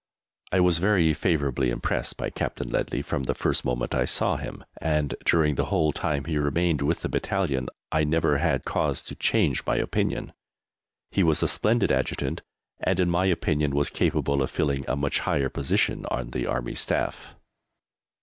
I was very favourably impressed by Captain Leadley from the first moment I saw him, and during the whole time he remained with the Battalion I never had cause to change my opinion. He was a splendid Adjutant, and, in my opinion, was capable of filling a much higher position on the Army Staff.